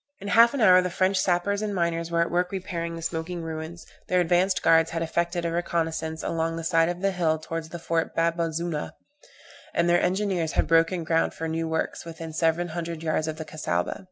In half an hour the French sappers and miners were at work repairing the smoking ruins, their advanced guards had effected a reconnoissance along the side of the hill towards the fort Bab azoona, and their engineers had broken ground for new works within seven hundred yards of the Cassaubah.